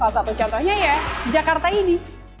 salah satu contohnya ya jakarta ini